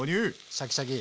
シャキシャキ！